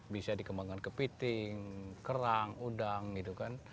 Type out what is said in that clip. bisa dikembangkan kepiting kerang udang gitu kan